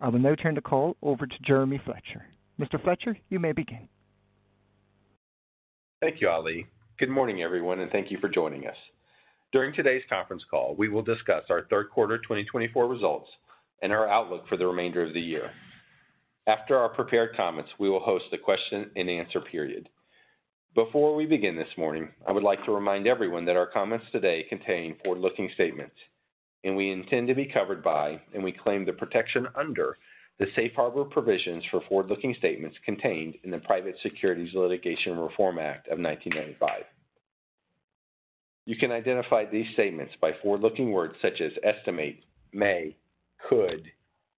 I will now turn the call over to Jeremy Fletcher. Mr. Fletcher, you may begin. Thank you, Ali. Good morning, everyone, and thank you for joining us. During today's conference call, we will discuss our third quarter 2024 results and our outlook for the remainder of the year. After our prepared comments, we will host a question-and-answer period. Before we begin this morning, I would like to remind everyone that our comments today contain forward-looking statements, and we intend to be covered by, and we claim the protection under, the Safe Harbor Provisions for Forward-Looking Statements contained in the Private Securities Litigation Reform Act of 1995. You can identify these statements by forward-looking words such as estimate, may, could,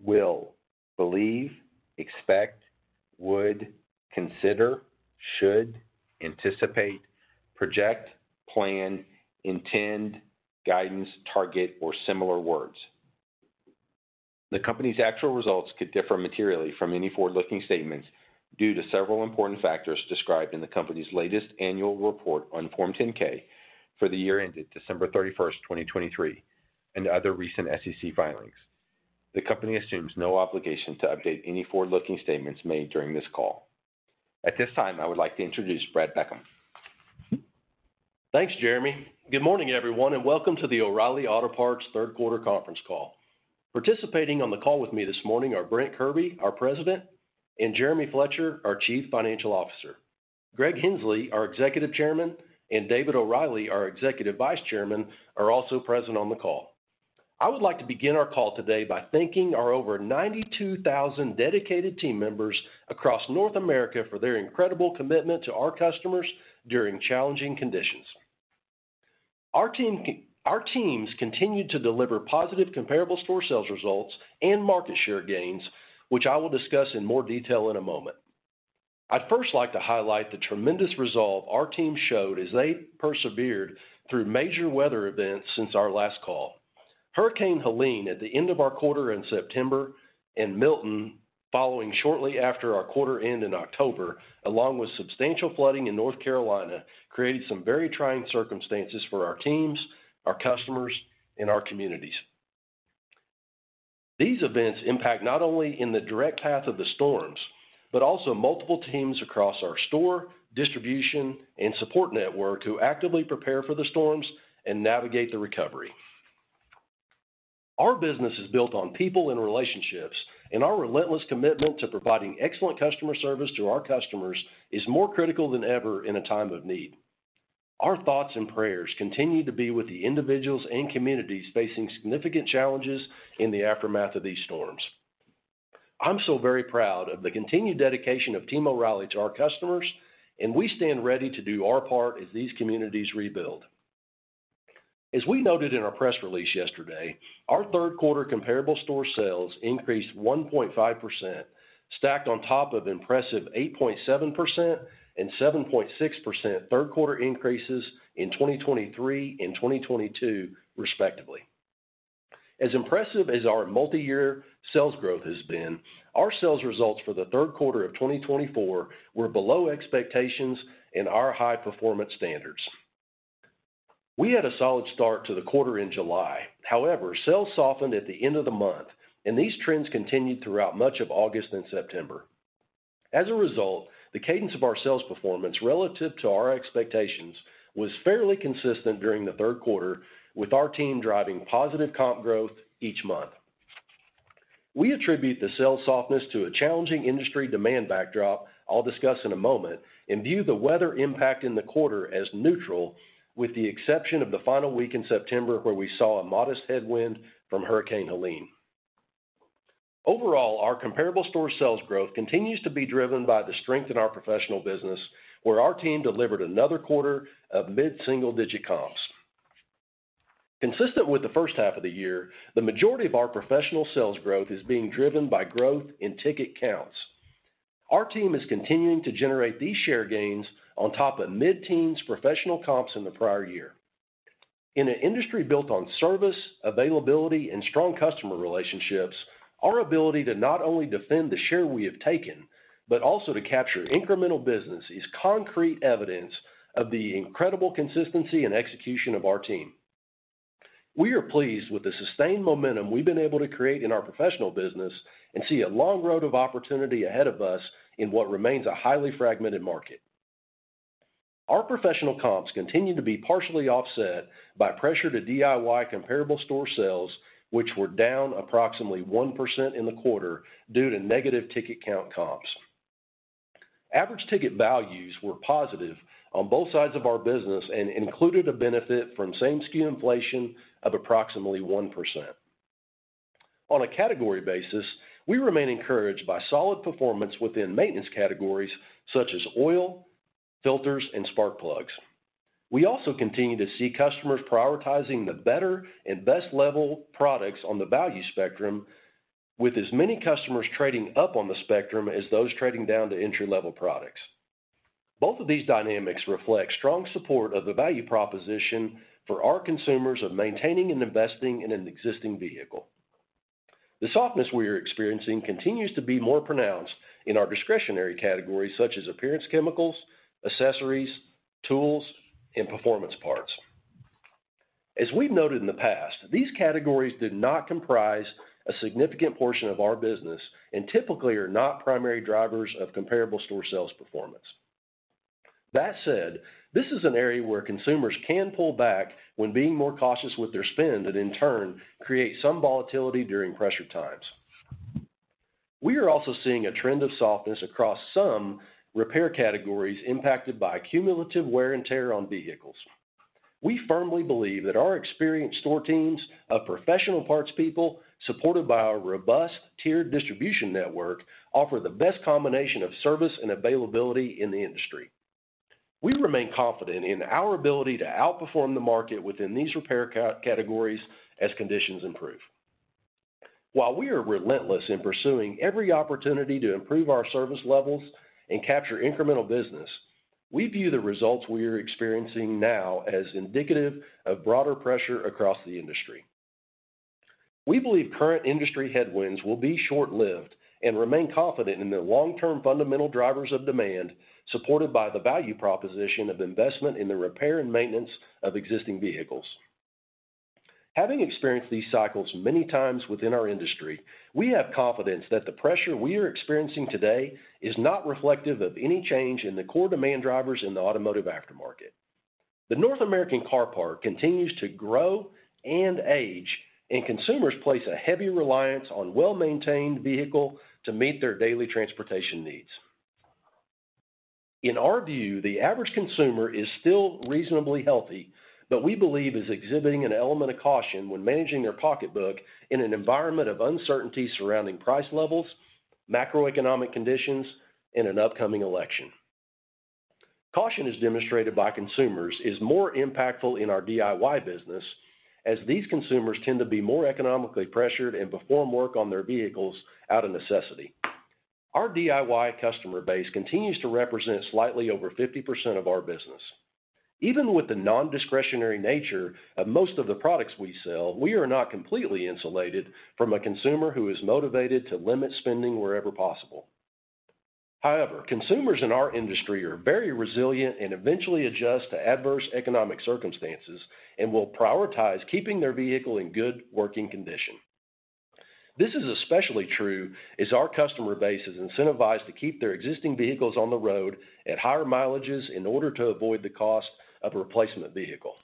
will, believe, expect, would, consider, should, anticipate, project, plan, intend, guidance, target or similar words. The company's actual results could differ materially from any forward-looking statements due to several important factors described in the company's latest annual report on Form 10-K for the year ended December 31, 2023, and other recent SEC filings. The company assumes no obligation to update any forward-looking statements made during this call. At this time, I would like to introduce Brad Beckham. Thanks, Jeremy. Good morning, everyone, and welcome to the O'Reilly Auto Parts third quarter conference call. Participating on the call with me this morning are Brent Kirby, our President, and Jeremy Fletcher, our Chief Financial Officer. Greg Henslee, our Executive Chairman, and David O'Reilly, our Executive Vice Chairman, are also present on the call. I would like to begin our call today by thanking our over 92,000 dedicated team members across North America for their incredible commitment to our customers during challenging conditions. Our teams continued to deliver positive comparable store sales results and market share gains, which I will discuss in more detail in a moment. I'd first like to highlight the tremendous resolve our team showed as they persevered through major weather events since our last call. Hurricane Helene, at the end of our quarter in September, and Milton, following shortly after our quarter end in October, along with substantial flooding in North Carolina, created some very trying circumstances for our teams, our customers, and our communities. These events impact not only in the direct path of the storms, but also multiple teams across our store, distribution, and support network, who actively prepare for the storms and navigate the recovery. Our business is built on people and relationships, and our relentless commitment to providing excellent customer service to our customers is more critical than ever in a time of need. Our thoughts and prayers continue to be with the individuals and communities facing significant challenges in the aftermath of these storms. I'm so very proud of the continued dedication of Team O'Reilly to our customers, and we stand ready to do our part as these communities rebuild. As we noted in our press release yesterday, our third quarter comparable store sales increased 1.5%, stacked on top of impressive 8.7% and 7.6% third quarter increases in 2023 and 2022, respectively. As impressive as our multiyear sales growth has been, our sales results for the third quarter of 2024 were below expectations and our high-performance standards. We had a solid start to the quarter in July. However, sales softened at the end of the month, and these trends continued throughout much of August and September. As a result, the cadence of our sales performance relative to our expectations was fairly consistent during the third quarter, with our team driving positive comp growth each month. We attribute the sales softness to a challenging industry demand backdrop I'll discuss in a moment, and view the weather impact in the quarter as neutral, with the exception of the final week in September, where we saw a modest headwind from Hurricane Helene. Overall, our comparable store sales growth continues to be driven by the strength in our professional business, where our team delivered another quarter of mid-single-digit comps. Consistent with the first half of the year, the majority of our professional sales growth is being driven by growth in ticket counts. Our team is continuing to generate these share gains on top of mid-teens professional comps in the prior year. In an industry built on service, availability, and strong customer relationships, our ability to not only defend the share we have taken, but also to capture incremental business, is concrete evidence of the incredible consistency and execution of our team. We are pleased with the sustained momentum we've been able to create in our professional business and see a long road of opportunity ahead of us in what remains a highly fragmented market. Our professional comps continue to be partially offset by pressure to DIY comparable store sales, which were down approximately 1% in the quarter due to negative ticket count comps. Average ticket values were positive on both sides of our business and included a benefit from same-SKU inflation of approximately 1%. On a category basis, we remain encouraged by solid performance within maintenance categories such as oil, filters, and spark plugs. We also continue to see customers prioritizing the better and best level products on the value spectrum, with as many customers trading up on the spectrum as those trading down to entry-level products. Both of these dynamics reflect strong support of the value proposition for our consumers of maintaining and investing in an existing vehicle. The softness we are experiencing continues to be more pronounced in our discretionary categories, such as appearance chemicals, accessories, tools, and performance parts.... As we've noted in the past, these categories did not comprise a significant portion of our business and typically are not primary drivers of comparable store sales performance. That said, this is an area where consumers can pull back when being more cautious with their spend, and in turn, create some volatility during pressure times. We are also seeing a trend of softness across some repair categories impacted by cumulative wear and tear on vehicles. We firmly believe that our experienced store teams of professional parts people, supported by our robust tiered distribution network, offer the best combination of service and availability in the industry. We remain confident in our ability to outperform the market within these repair categories as conditions improve. While we are relentless in pursuing every opportunity to improve our service levels and capture incremental business, we view the results we are experiencing now as indicative of broader pressure across the industry. We believe current industry headwinds will be short-lived and remain confident in the long-term fundamental drivers of demand, supported by the value proposition of investment in the repair and maintenance of existing vehicles. Having experienced these cycles many times within our industry, we have confidence that the pressure we are experiencing today is not reflective of any change in the core demand drivers in the automotive aftermarket. The North American car park continues to grow and age, and consumers place a heavy reliance on well-maintained vehicle to meet their daily transportation needs. In our view, the average consumer is still reasonably healthy, but we believe is exhibiting an element of caution when managing their pocketbook in an environment of uncertainty surrounding price levels, macroeconomic conditions, and an upcoming election. Caution as demonstrated by consumers is more impactful in our DIY business, as these consumers tend to be more economically pressured and perform work on their vehicles out of necessity. Our DIY customer base continues to represent slightly over 50% of our business. Even with the non-discretionary nature of most of the products we sell, we are not completely insulated from a consumer who is motivated to limit spending wherever possible. However, consumers in our industry are very resilient and eventually adjust to adverse economic circumstances, and will prioritize keeping their vehicle in good working condition. This is especially true as our customer base is incentivized to keep their existing vehicles on the road at higher mileages in order to avoid the cost of a replacement vehicle.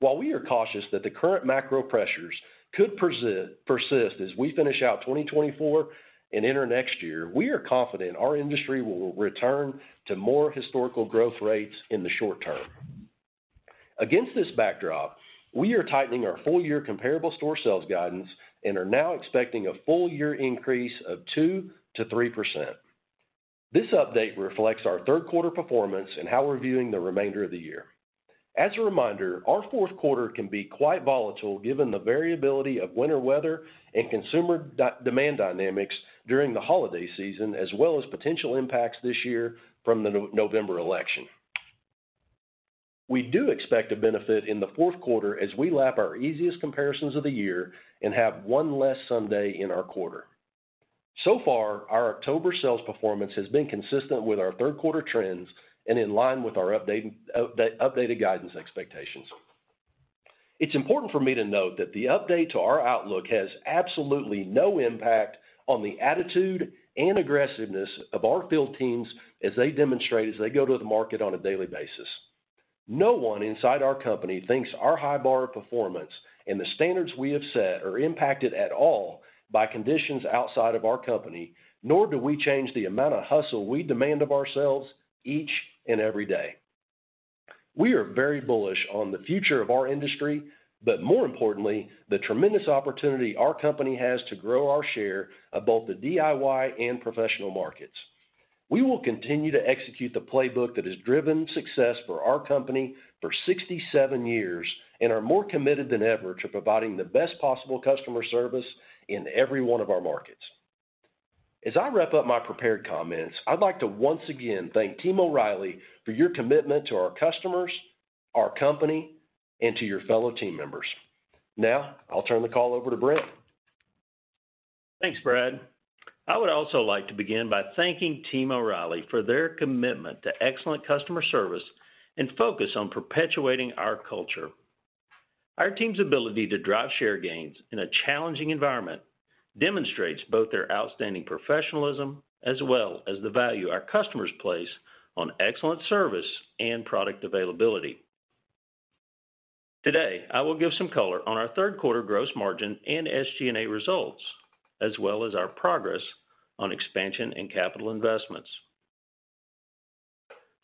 While we are cautious that the current macro pressures could persist as we finish out 2024 and enter next year, we are confident our industry will return to more historical growth rates in the short term. Against this backdrop, we are tightening our full year comparable store sales guidance and are now expecting a full year increase of 2%-3%. This update reflects our third quarter performance and how we're viewing the remainder of the year. As a reminder, our fourth quarter can be quite volatile, given the variability of winter weather and consumer demand dynamics during the holiday season, as well as potential impacts this year from the November election. We do expect to benefit in the fourth quarter as we lap our easiest comparisons of the year and have one less Sunday in our quarter. So far, our October sales performance has been consistent with our third quarter trends and in line with our updated guidance expectations. It's important for me to note that the update to our outlook has absolutely no impact on the attitude and aggressiveness of our field teams as they demonstrate as they go to the market on a daily basis. No one inside our company thinks our high bar of performance and the standards we have set are impacted at all by conditions outside of our company, nor do we change the amount of hustle we demand of ourselves each and every day. We are very bullish on the future of our industry, but more importantly, the tremendous opportunity our company has to grow our share of both the DIY and professional markets. We will continue to execute the playbook that has driven success for our company for sixty-seven years, and are more committed than ever to providing the best possible customer service in every one of our markets. As I wrap up my prepared comments, I'd like to once again thank Team O'Reilly for your commitment to our customers, our company, and to your fellow team members. Now, I'll turn the call over to Brent. Thanks, Brad. I would also like to begin by thanking Team O'Reilly for their commitment to excellent customer service and focus on perpetuating our culture. Our team's ability to drive share gains in a challenging environment demonstrates both their outstanding professionalism, as well as the value our customers place on excellent service and product availability. Today, I will give some color on our third quarter gross margin and SG&A results, as well as our progress on expansion and capital investments.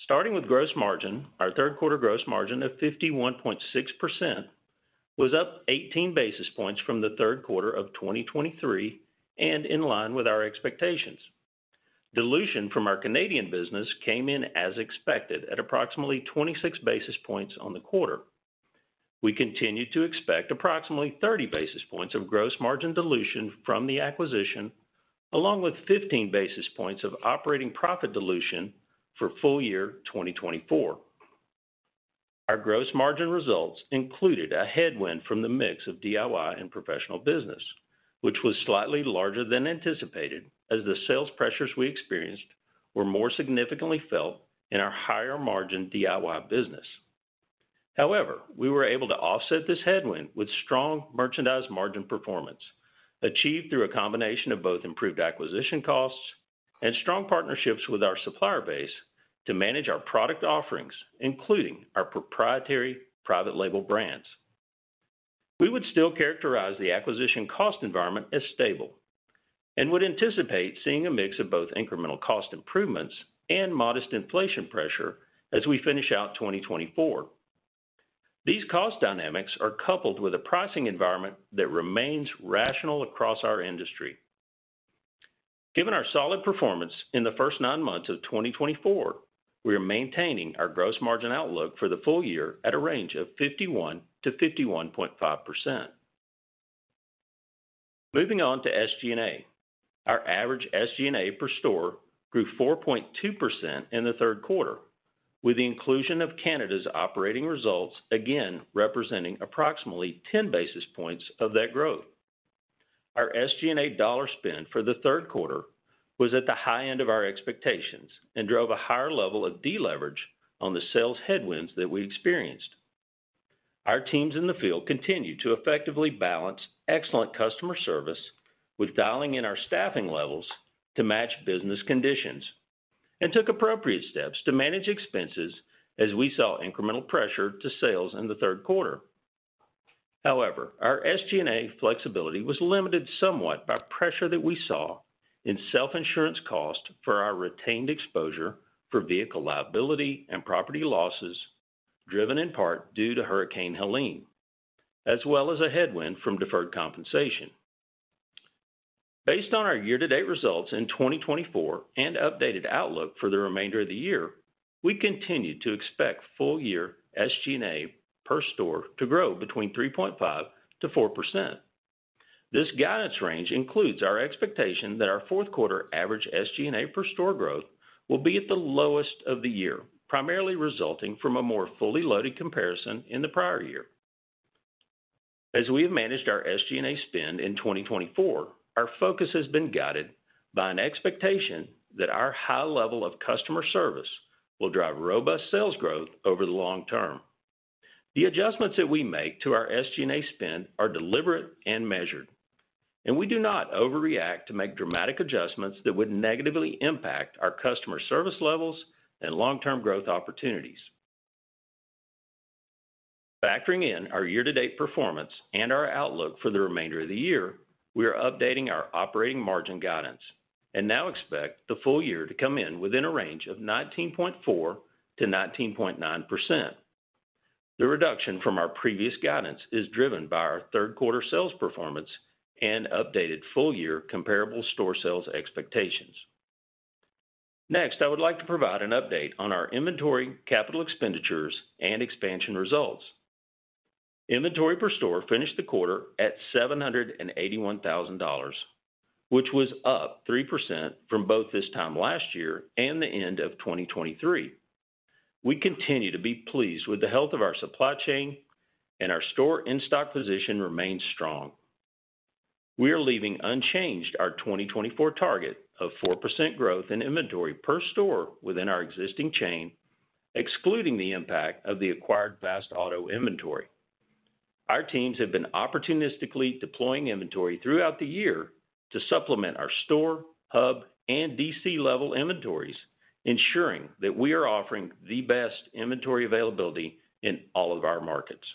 Starting with gross margin, our third quarter gross margin of 51.6%, was up 18 basis points from the third quarter of 2023, and in line with our expectations. Dilution from our Canadian business came in as expected, at approximately 26 basis points on the quarter. We continue to expect approximately thirty basis points of gross margin dilution from the acquisition, along with fifteen basis points of operating profit dilution for full-year 2024. Our gross margin results included a headwind from the mix of DIY and professional business, which was slightly larger than anticipated, as the sales pressures we experienced were more significantly felt in our higher-margin DIY business. However, we were able to offset this headwind with strong merchandise margin performance, achieved through a combination of both improved acquisition costs and strong partnerships with our supplier base to manage our product offerings, including our proprietary private label brands. We would still characterize the acquisition cost environment as stable, and would anticipate seeing a mix of both incremental cost improvements and modest inflation pressure as we finish out 2024. These cost dynamics are coupled with a pricing environment that remains rational across our industry. Given our solid performance in the first nine months of 2024, we are maintaining our gross margin outlook for the full year at a range of 51%-51.5%. Moving on to SG&A. Our average SG&A per store grew 4.2% in the third quarter, with the inclusion of Canada's operating results again representing approximately 10 basis points of that growth. Our SG&A dollar spend for the third quarter was at the high end of our expectations and drove a higher level of deleverage on the sales headwinds that we experienced. Our teams in the field continued to effectively balance excellent customer service with dialing in our staffing levels to match business conditions, and took appropriate steps to manage expenses as we saw incremental pressure to sales in the third quarter. However, our SG&A flexibility was limited somewhat by pressure that we saw in self-insurance costs for our retained exposure for vehicle liability and property losses, driven in part due to Hurricane Helene, as well as a headwind from deferred compensation. Based on our year-to-date results in 2024 and updated outlook for the remainder of the year, we continue to expect full-year SG&A per store to grow between 3.5% to 4%. This guidance range includes our expectation that our fourth quarter average SG&A per store growth will be at the lowest of the year, primarily resulting from a more fully loaded comparison in the prior year. As we have managed our SG&A spend in 2024, our focus has been guided by an expectation that our high level of customer service will drive robust sales growth over the long term. The adjustments that we make to our SG&A spend are deliberate and measured, and we do not overreact to make dramatic adjustments that would negatively impact our customer service levels and long-term growth opportunities. Factoring in our year-to-date performance and our outlook for the remainder of the year, we are updating our operating margin guidance and now expect the full year to come in within a range of 19.4% to 19.9%. The reduction from our previous guidance is driven by our third quarter sales performance and updated full-year comparable store sales expectations. Next, I would like to provide an update on our inventory, capital expenditures, and expansion results. Inventory per store finished the quarter at $781,000, which was up 3% from both this time last year and the end of 2023. We continue to be pleased with the health of our supply chain, and our store in-stock position remains strong. We are leaving unchanged our 2024 target of 4% growth in inventory per store within our existing chain, excluding the impact of the acquired Vast-Auto inventory. Our teams have been opportunistically deploying inventory throughout the year to supplement our store, hub, and DC-level inventories, ensuring that we are offering the best inventory availability in all of our markets.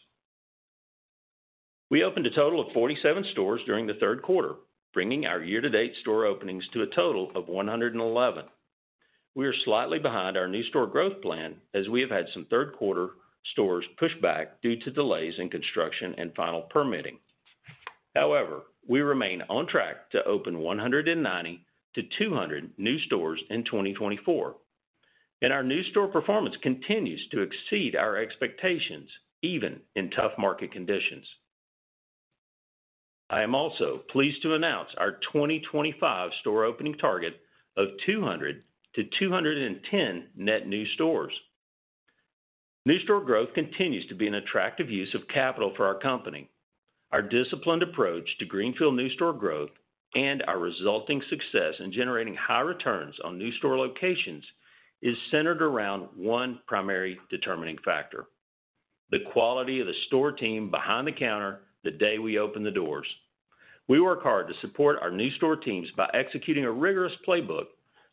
We opened a total of 47 stores during the third quarter, bringing our year-to-date store openings to a total of 111. We are slightly behind our new store growth plan, as we have had some third quarter stores push back due to delays in construction and final permitting. However, we remain on track to open 100 to 200 new stores in 2024, and our new store performance continues to exceed our expectations, even in tough market conditions. I am also pleased to announce our 2025 store opening target of 200 to 210 net new stores. New store growth continues to be an attractive use of capital for our company. Our disciplined approach to greenfield new store growth and our resulting success in generating high returns on new store locations is centered around one primary determining factor: the quality of the store team behind the counter the day we open the doors. We work hard to support our new store teams by executing a rigorous playbook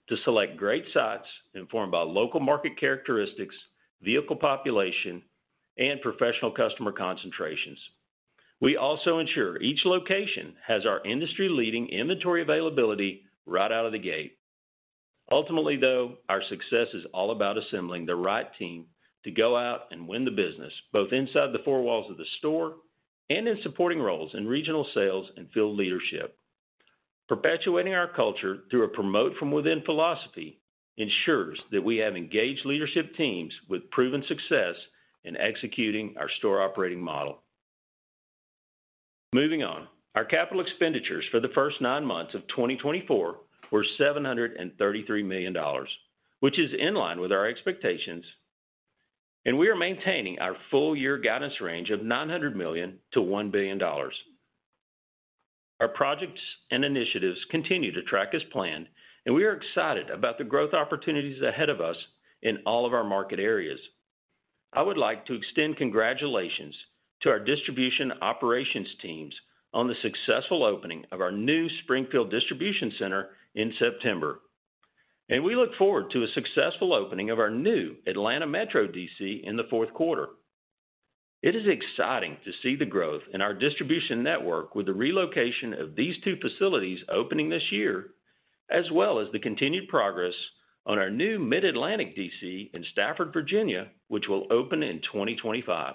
to select great sites informed by local market characteristics, vehicle population, and professional customer concentrations. We also ensure each location has our industry-leading inventory availability right out of the gate. Ultimately, though, our success is all about assembling the right team to go out and win the business, both inside the four walls of the store and in supporting roles in regional sales and field leadership. Perpetuating our culture through a promote-from-within philosophy ensures that we have engaged leadership teams with proven success in executing our store operating model. Moving on. Our capital expenditures for the first nine months of 2024 were $733 million, which is in line with our expectations, and we are maintaining our full year guidance range of $900 million-$1 billion. Our projects and initiatives continue to track as planned, and we are excited about the growth opportunities ahead of us in all of our market areas. I would like to extend congratulations to our distribution operations teams on the successful opening of our new Springfield distribution center in September, and we look forward to a successful opening of our new Atlanta Metro DC in the fourth quarter. It is exciting to see the growth in our distribution network with the relocation of these two facilities opening this year, as well as the continued progress on our new Mid-Atlantic DC in Stafford, Virginia, which will open in twenty twenty-five.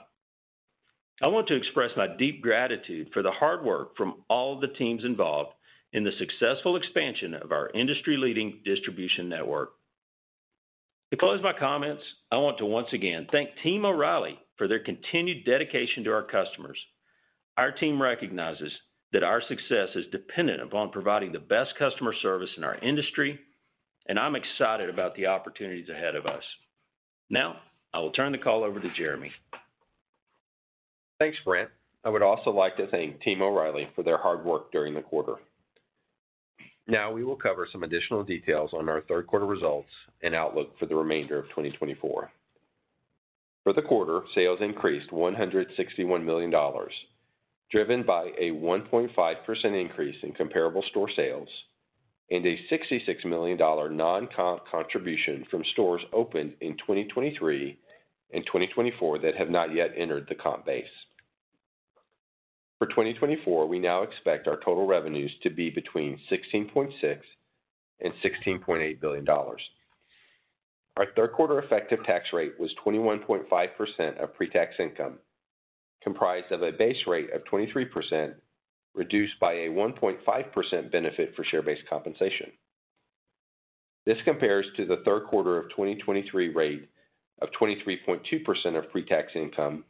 I want to express my deep gratitude for the hard work from all of the teams involved in the successful expansion of our industry-leading distribution network. To close my comments, I want to once again thank Team O'Reilly for their continued dedication to our customers. Our team recognizes that our success is dependent upon providing the best customer service in our industry, and I'm excited about the opportunities ahead of us. Now, I will turn the call over to Jeremy. Thanks, Brent. I would also like to thank Team O'Reilly for their hard work during the quarter. Now, we will cover some additional details on our third quarter results and outlook for the remainder of 2024. For the quarter, sales increased $161 million, driven by a 1.5% increase in comparable store sales and a $66 million non-comp contribution from stores opened in 2023 and 2024 that have not yet entered the comp base. For 2024, we now expect our total revenues to be between $16.6 billion and $16.8 billion. Our third quarter effective tax rate was 21.5% of pre-tax income, comprised of a base rate of 23%, reduced by a 1.5% benefit for share-based compensation. This compares to the third quarter of 2023 rate of 23.2% of pre-tax income,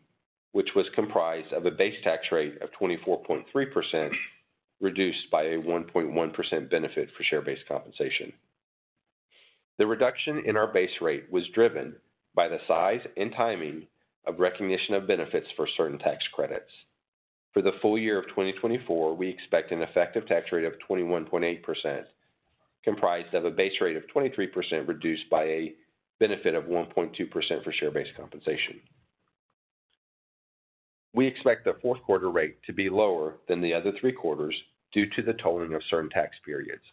which was comprised of a base tax rate of 24.3%, reduced by a 1.1% benefit for share-based compensation. The reduction in our base rate was driven by the size and timing of recognition of benefits for certain tax credits. For the full year of 2024, we expect an effective tax rate of 21.8%, comprised of a base rate of 23%, reduced by a benefit of 1.2% for share-based compensation. We expect the fourth quarter rate to be lower than the other three quarters due to the tolling of certain tax periods.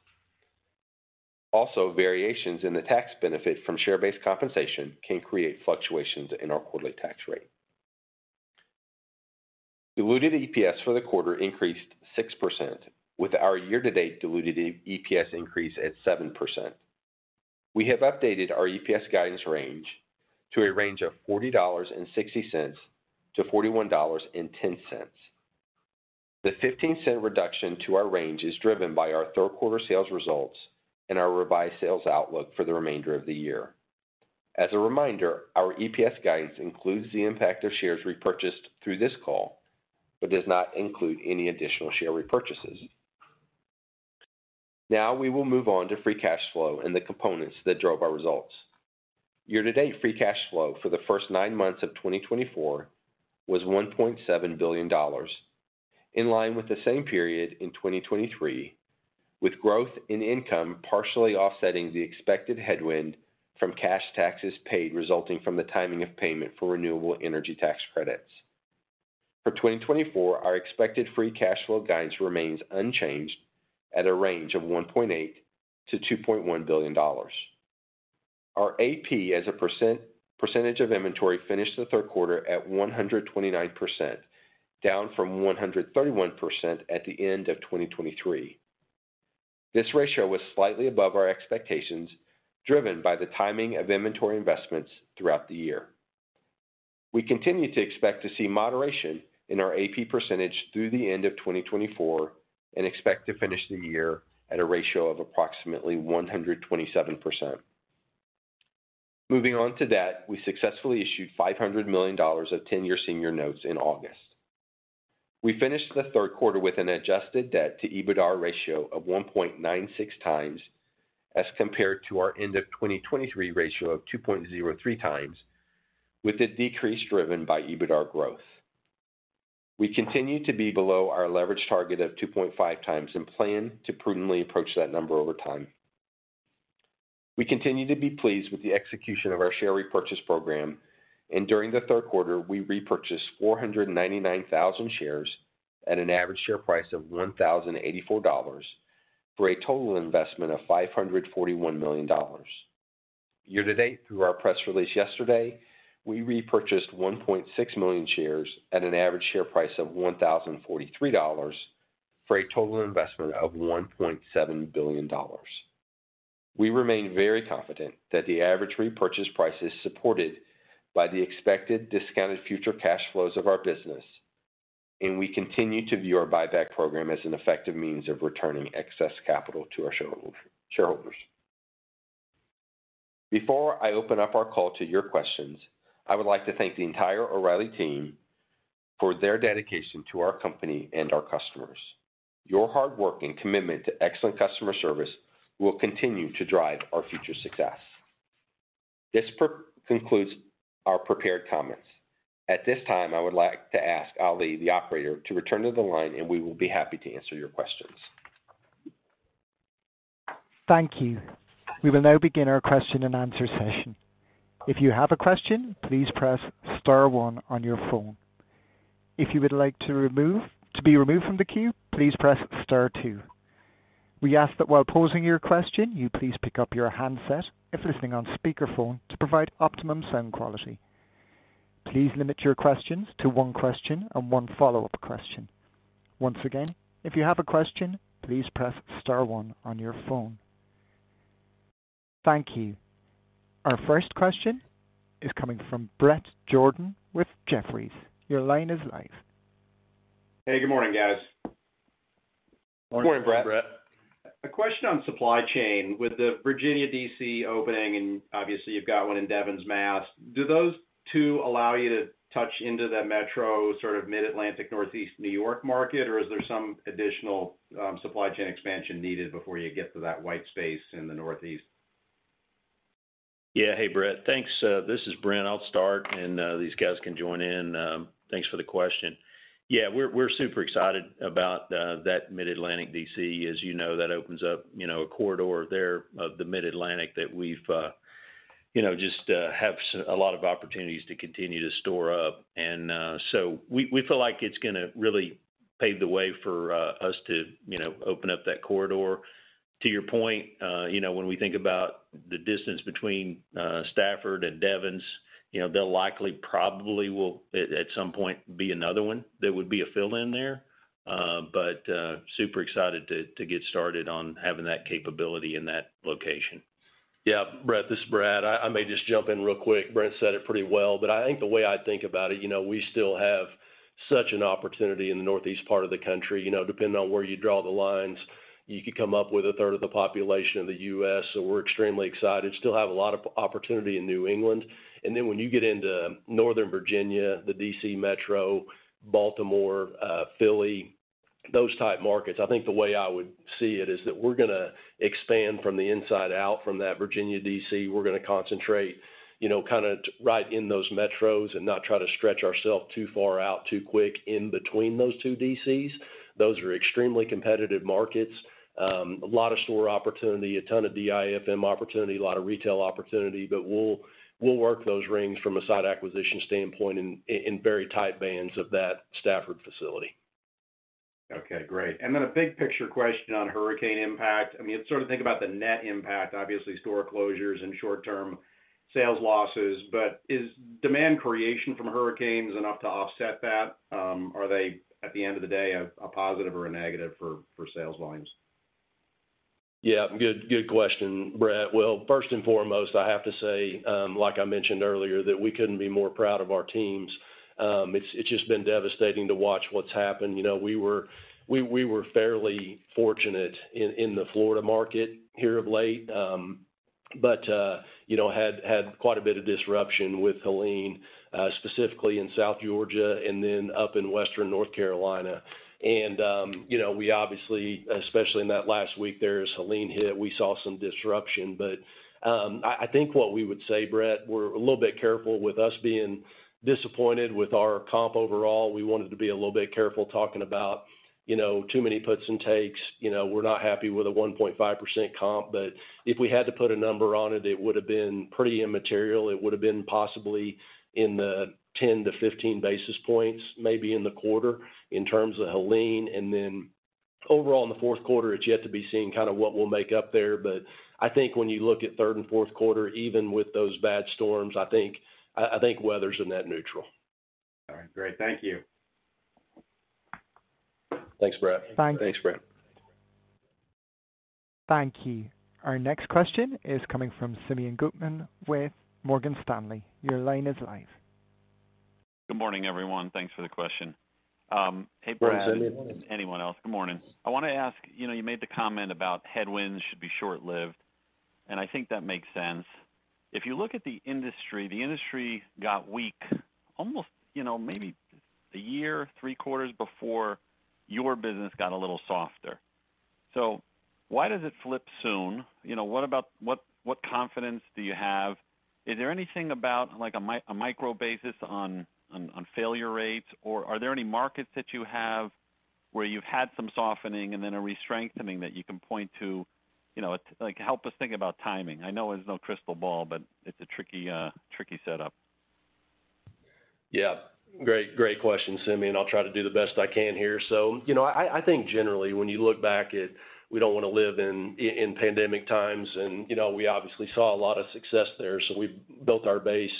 Also, variations in the tax benefit from share-based compensation can create fluctuations in our quarterly tax rate. Diluted EPS for the quarter increased 6%, with our year-to-date diluted EPS increase at 7%. We have updated our EPS guidance range to a range of $40.60 to $41.10. The 15-cent reduction to our range is driven by our third quarter sales results and our revised sales outlook for the remainder of the year. As a reminder, our EPS guidance includes the impact of shares repurchased through this call, but does not include any additional share repurchases. Now, we will move on to free cash flow and the components that drove our results. Year-to-date free cash flow for the first nine months of 2024 was $1.7 billion, in line with the same period in 2023, with growth in income partially offsetting the expected headwind from cash taxes paid, resulting from the timing of payment for renewable energy tax credits. For 2024, our expected free cash flow guidance remains unchanged at a range of $1.8-$2.1 billion. Our AP, as a percentage of inventory, finished the third quarter at 129%, down from 131% at the end of 2023. This ratio was slightly above our expectations, driven by the timing of inventory investments throughout the year. We continue to expect to see moderation in our AP percentage through the end of twenty twenty-four and expect to finish the year at a ratio of approximately 127%. Moving on to debt, we successfully issued $500 million of 10-year senior notes in August. We finished the third quarter with an adjusted debt to EBITDA ratio of 1.96 times, as compared to our end of twenty twenty-three ratio of 2.03 times, with the decrease driven by EBITDA growth. We continue to be below our leverage target of 2.5 times and plan to prudently approach that number over time. We continue to be pleased with the execution of our share repurchase program, and during the third quarter, we repurchased 499,000 shares at an average share price of $1,084, for a total investment of $541 million. Year-to-date, through our press release yesterday, we repurchased 1.6 million shares at an average share price of $1,043, for a total investment of $1.7 billion. We remain very confident that the average repurchase price is supported by the expected discounted future cash flows of our business, and we continue to view our buyback program as an effective means of returning excess capital to our shareholders. Before I open up our call to your questions, I would like to thank the entire O'Reilly team.... for their dedication to our company and our customers. Your hard work and commitment to excellent customer service will continue to drive our future success. This concludes our prepared comments. At this time, I would like to ask Ali, the operator, to return to the line, and we will be happy to answer your questions. Thank you. We will now begin our question-and-answer session. If you have a question, please press star one on your phone. If you would like to be removed from the queue, please press star two. We ask that while posing your question, you please pick up your handset if listening on speakerphone to provide optimum sound quality. Please limit your questions to one question and one follow-up question. Once again, if you have a question, please press star one on your phone. Thank you. Our first question is coming from Bret Jordan with Jefferies. Your line is live. Hey, good morning, guys. Good morning, Bret. Good morning, Bret. A question on supply chain. With the Virginia DC opening, and obviously you've got one in Devens, Mass, do those two allow you to touch into the metro sort of Mid-Atlantic, Northeast, New York market? Or is there some additional supply chain expansion needed before you get to that white space in the Northeast? Yeah. Hey, Bret, thanks. This is Brent. I'll start, and these guys can join in. Thanks for the question. Yeah, we're, we're super excited about that Mid-Atlantic DC. As you know, that opens up, you know, a corridor there of the Mid-Atlantic that we've, you know, just have a lot of opportunities to continue to store up. And, so we, we feel like it's gonna really pave the way for us to, you know, open up that corridor. To your point, you know, when we think about the distance between Stafford and Devens, you know, they'll likely, probably will, at some point, be another one that would be a fill-in there. But, super excited to get started on having that capability in that location. Yeah, Bret, this is Brad. I may just jump in real quick. Brent said it pretty well, but I think the way I think about it, you know, we still have such an opportunity in the northeast part of the country. You know, depending on where you draw the lines, you could come up with a third of the population of the US. So we're extremely excited. Still have a lot of opportunity in New England. And then when you get into Northern Virginia, the DC metro, Baltimore, Philly, those type markets, I think the way I would see it is that we're gonna expand from the inside out from that Virginia DC. We're gonna concentrate, you know, kind of right in those metros and not try to stretch ourselves too far out, too quick in between those two DCs. Those are extremely competitive markets. A lot of store opportunity, a ton of DIFM opportunity, a lot of retail opportunity, but we'll work those rings from a site acquisition standpoint in very tight bands of that Stafford facility. Okay, great. And then a big picture question on hurricane impact. I mean, sort of think about the net impact, obviously, store closures and short-term sales losses, but is demand creation from hurricanes enough to offset that? Are they, at the end of the day, a positive or a negative for sales lines? Yeah, good, good question, Bret. Well, first and foremost, I have to say, like I mentioned earlier, that we couldn't be more proud of our teams. It's just been devastating to watch what's happened. You know, we were fairly fortunate in the Florida market here of late, but you know, had quite a bit of disruption with Helene, specifically in South Georgia and then up in Western North Carolina. And you know, we obviously, especially in that last week there, as Helene hit, we saw some disruption. But I think what we would say, Bret, we're a little bit careful with us being disappointed with our comp overall. We wanted to be a little bit careful talking about, you know, too many puts and takes. You know, we're not happy with a 1.5% comp, but if we had to put a number on it, it would have been pretty immaterial. It would have been possibly in the 10-15 basis points, maybe in the quarter, in terms of Helene, and then overall, in the fourth quarter, it's yet to be seen kind of what we'll make up there, but I think when you look at third and fourth quarter, even with those bad storms, I think weather's a net neutral. All right, great. Thank you. Thanks, Brett. Thanks. Thanks, Brett. Thank you. Our next question is coming from Simeon Gutman with Morgan Stanley. Your line is live. Good morning, everyone. Thanks for the question. Hey, Brent- Good morning, Simeon. Anyone else? Good morning. I want to ask, you know, you made the comment about headwinds should be short-lived, and I think that makes sense. If you look at the industry, the industry got weak, almost, you know, maybe a year, three quarters before your business got a little softer. So why does it flip soon? You know, what about what confidence do you have? Is there anything about, like, a micro basis on failure rates, or are there any markets that you have where you've had some softening and then a restrengthening that you can point to? You know, like, help us think about timing. I know there's no crystal ball, but it's a tricky, tricky setup. Yeah. Great, great question, Simeon. I'll try to do the best I can here. So, you know, I think generally, when you look back at we don't want to live in pandemic times, and, you know, we obviously saw a lot of success there. So we've built our base,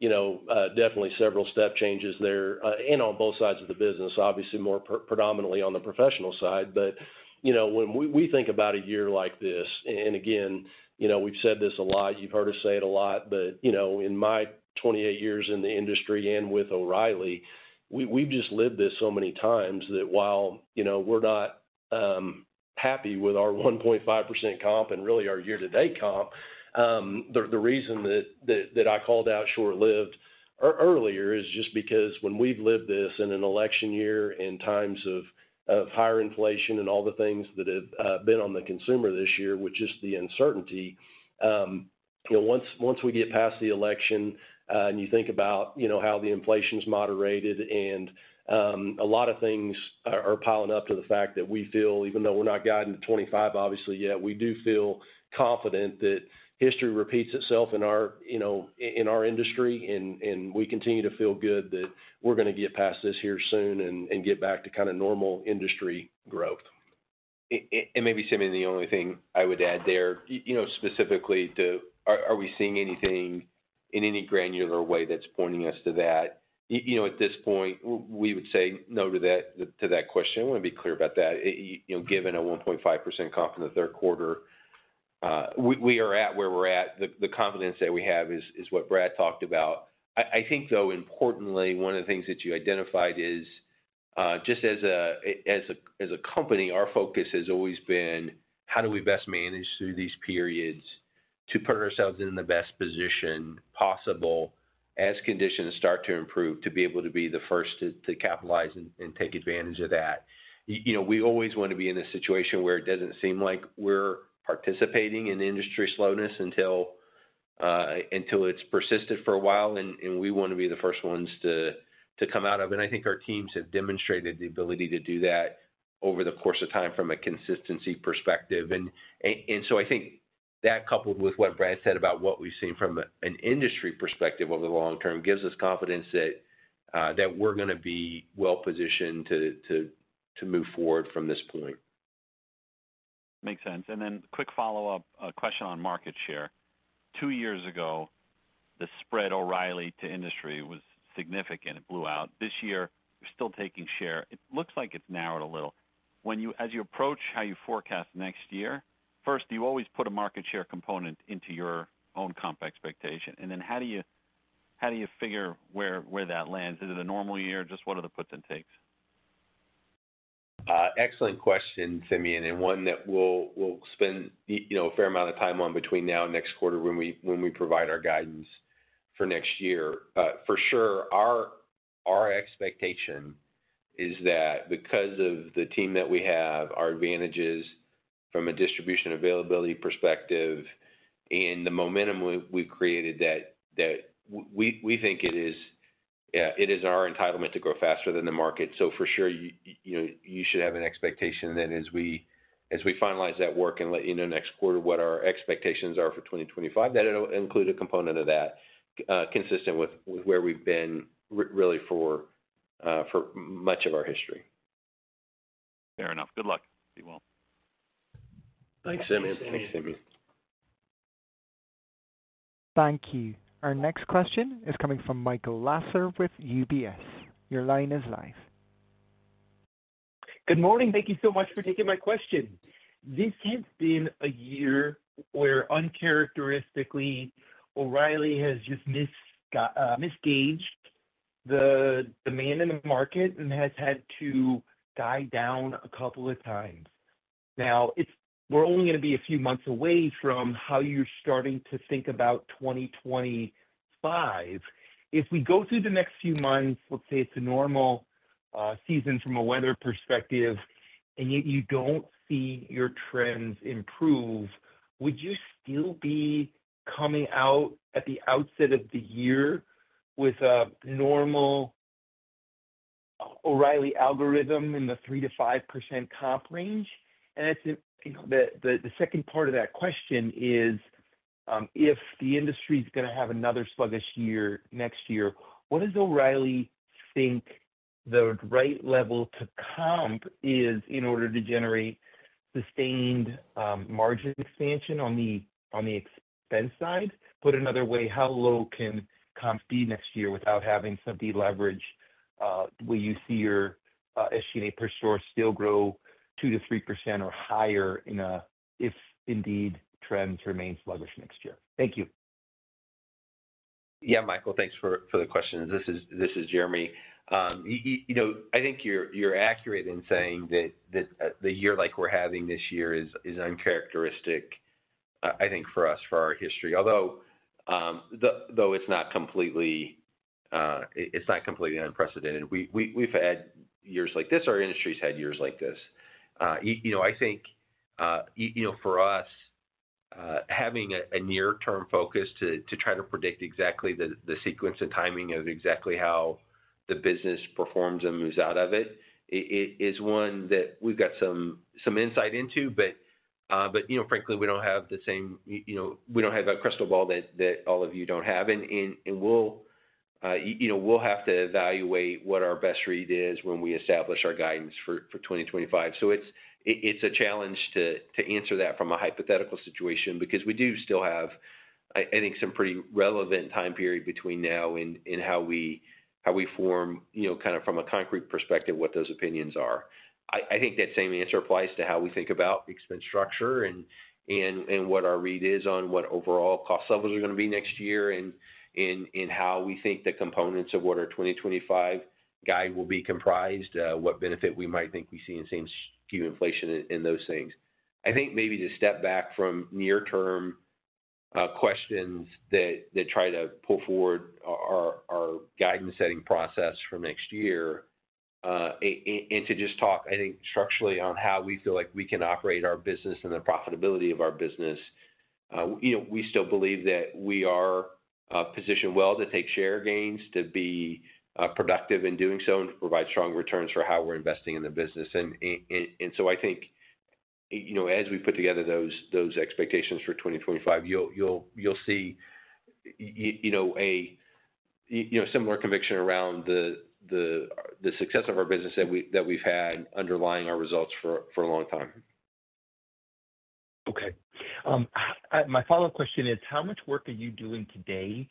you know, definitely several step changes there, and on both sides of the business, obviously more predominantly on the professional side. But, you know, when we think about a year like this, and again, you know, we've said this a lot, you've heard us say it a lot, but, you know, in my twenty-eight years in the industry and with O'Reilly, we've just lived this so many times that while, you know, we're not happy with our 1.5% comp and really our year-to-date comp. The reason that I called out short-lived earlier is just because when we've lived this in an election year, in times of higher inflation and all the things that have been on the consumer this year, which is the uncertainty, you know, once we get past the election, and you think about, you know, how the inflation's moderated and, a lot of things are piling up to the fact that we feel, even though we're not guiding to 25, obviously, yet, we do feel confident that history repeats itself in our, you know, in our industry, and we continue to feel good that we're gonna get past this here soon and get back to kind of normal industry growth. And maybe, Simeon, the only thing I would add there, you know, specifically, are we seeing anything in any granular way that's pointing us to that? You know, at this point, we would say no to that question. I want to be clear about that. You know, given a 1.5% comp in the third quarter, we are at where we're at. The confidence that we have is what Brad talked about. I think, though, importantly, one of the things that you identified is just as a company, our focus has always been, how do we best manage through these periods to put ourselves in the best position possible as conditions start to improve, to be able to be the first to capitalize and take advantage of that? You know, we always want to be in a situation where it doesn't seem like we're participating in industry slowness until it's persisted for a while, and we want to be the first ones to come out of it, and I think our teams have demonstrated the ability to do that over the course of time from a consistency perspective, and so I think that, coupled with what Brad said about what we've seen from an industry perspective over the long term, gives us confidence that we're gonna be well-positioned to move forward from this point. Makes sense. And then quick follow-up question on market share. Two years ago, the spread O'Reilly to industry was significant. It blew out. This year, we're still taking share. It looks like it's narrowed a little. When you approach how you forecast next year, first, do you always put a market share component into your own comp expectation? And then how do you figure where that lands? Is it a normal year, or just what are the puts and takes? Excellent question, Simeon, and one that we'll spend, you know, a fair amount of time on between now and next quarter when we provide our guidance for next year. For sure, our expectation is that because of the team that we have, our advantages from a distribution availability perspective and the momentum we've created, that we think it is our entitlement to grow faster than the market. So for sure, you know, you should have an expectation that as we finalize that work and let you know next quarter what our expectations are for twenty twenty-five, that it'll include a component of that, consistent with where we've been really for much of our history. Fair enough. Good luck. Be well. Thanks, Simeon. Thanks, Simeon. Thank you. Our next question is coming from Michael Lasser with UBS. Your line is live. Good morning. Thank you so much for taking my question. This has been a year where, uncharacteristically, O'Reilly has just misgauged the demand in the market and has had to guide down a couple of times. Now, it's we're only gonna be a few months away from how you're starting to think about twenty twenty-five. If we go through the next few months, let's say it's a normal season from a weather perspective, and yet you don't see your trends improve, would you still be coming out at the outset of the year with a normal O'Reilly algorithm in the 3-5% comp range? And then, you know, the second part of that question is, if the industry is gonna have another sluggish year next year, what does O'Reilly think the right level to comp is in order to generate sustained, margin expansion on the expense side? Put another way, how low can comp be next year without having some deleverage, will you see your, SG&A per store still grow 2%-3% or higher if indeed, trends remain sluggish next year? Thank you. Yeah, Michael, thanks for the question. This is Jeremy. You know, I think you're accurate in saying that the year like we're having this year is uncharacteristic, I think for us, for our history. Although, though it's not completely, it's not completely unprecedented. We, we've had years like this. Our industry's had years like this. You know, I think, you know, for us, having a near-term focus to try to predict exactly the sequence and timing of exactly how the business performs and moves out of it, is one that we've got some insight into, but, but you know, frankly, we don't have the same... you know, we don't have a crystal ball that all of you don't have. We'll have to evaluate what our best read is when we establish our guidance for 2025. So it's a challenge to answer that from a hypothetical situation, because we do still have. I think some pretty relevant time period between now and how we form, you know, kind of from a concrete perspective, what those opinions are. I think that same answer applies to how we think about expense structure and what our read is on what overall cost levels are gonna be next year, and how we think the components of what our 2025 guidance will be comprised, what benefit we might think we see in same-store inflation in those things. I think maybe to step back from near-term questions that try to pull forward our guidance-setting process for next year, and to just talk, I think, structurally on how we feel like we can operate our business and the profitability of our business. You know, we still believe that we are positioned well to take share gains, to be productive in doing so, and to provide strong returns for how we're investing in the business. And so I think, you know, as we put together those expectations for 2025, you'll see, you know, a similar conviction around the success of our business that we've had underlying our results for a long time. Okay. My follow-up question is, how much work are you doing today